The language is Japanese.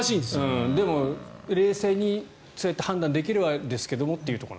でも、冷静にそうやって判断できるところなんですけどというところ。